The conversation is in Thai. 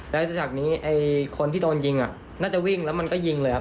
แล้วจากนี้ไอ้คนที่โดนยิงน่าจะวิ่งแล้วมันก็ยิงเลยครับ